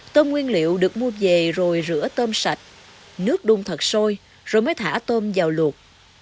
tôm nguyên liệu được mua về rồi rửa tôm sạch nước đun thật sôi rồi mới thả tôm vào luộc